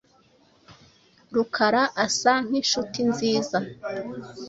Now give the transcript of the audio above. Rukara asa nkinshuti nziza.